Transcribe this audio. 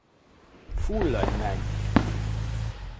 Fulladj meg!